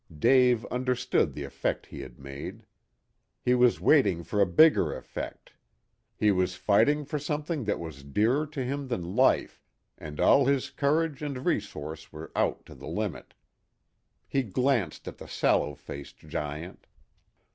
Dave understood the effect he had made. He was waiting for a bigger effect. He was fighting for something that was dearer to him than life, and all his courage and resource were out to the limit. He glanced at the sallow faced giant.